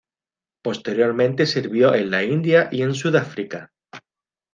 Posteriormente sirvió en la India y en Sudáfrica.